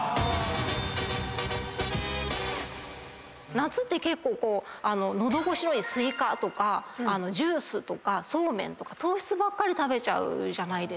夏って喉越しのいいスイカとかジュースとかそうめんとか糖質ばっかり食べちゃうじゃないですか。